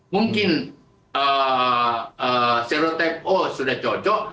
mungkin serotype o sudah cocok